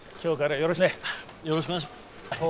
よろしくお願いします。